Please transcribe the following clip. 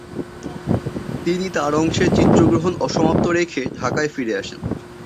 তিনি তার অংশের চিত্রগ্রহণ অসমাপ্ত রেখে ঢাকায় ফিরে আসেন।